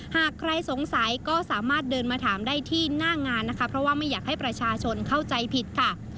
หากใครสงสัยก็สามารถเดินมาถามได้ที่หน้างานนะคะเพราะว่าไม่อยากให้ประชาชนเข้าใจผิดค่ะ